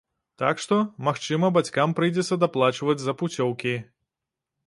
Так што, магчыма, бацькам прыйдзецца даплачваць за пуцёўкі.